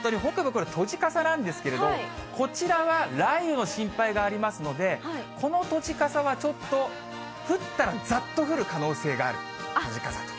これ、閉じ傘なんですけれど、こちらは雷雨の心配がありますので、この閉じ傘はちょっと、降ったらざっと降る可能性がある閉じ傘と。